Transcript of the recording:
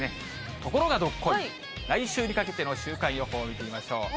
ところがどっこい、来週にかけての週間予報見てみましょう。